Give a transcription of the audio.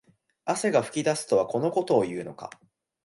汗が噴き出すとはこのことを言うのか